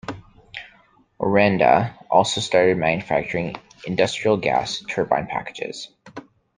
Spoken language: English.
Orenda also started manufacturing industrial gas turbine packages.